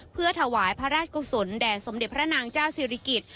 เพื่อถวายพระราชกุศลแด่สมเด็จพระนางเจ้าศิริกิจ